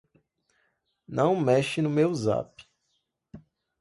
Não mexe no meu zap